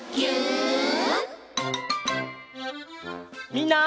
みんな。